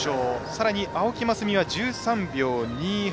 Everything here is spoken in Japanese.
さらに、青木益未は１３秒２８。